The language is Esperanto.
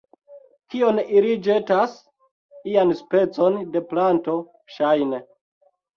Kion ili ĵetas? ian specon de planto, ŝajne